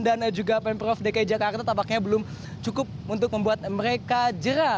dan juga pemprov dki jakarta tapaknya belum cukup untuk membuat mereka jerah